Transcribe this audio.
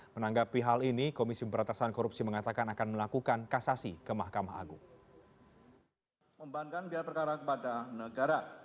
menanggapi hal ini komisi pemberantasan korupsi mengatakan akan melakukan kasasi ke mahkamah agung